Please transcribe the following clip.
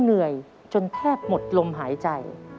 เหนื่อยจนแทบหมดลมหายใจ